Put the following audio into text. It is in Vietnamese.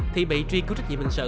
thì bị truy cứu trách nhiệm hình sự